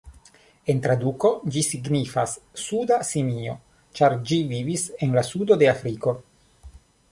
En traduko ĝi signifas "suda simio", ĉar ĝi vivis en la sudo de Afriko.